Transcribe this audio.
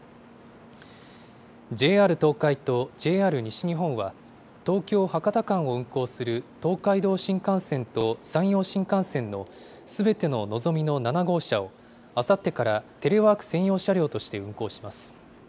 ＪＲ東海とＪＲ西日本は、東京・博多間を運行する東海道新幹線と山陽新幹線のすべてののぞみの７号車を、あさってから、テレワーク専用車両として運行します。